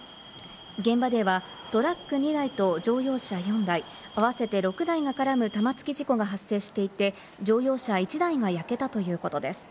現場ではトラック２台と乗用車４台、合わせて６台が絡む玉突き事故が発生していて、乗用車１台が焼けたということです。